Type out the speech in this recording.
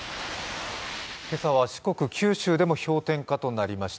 今朝は四国、九州でも氷点下となりました。